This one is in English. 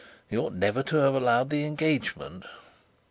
He ought never to have allowed the engagement.